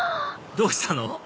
どうしたの？